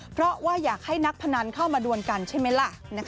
เพราะว่าอยากให้นักพนันเข้ามาดวนกันใช่ไหมล่ะ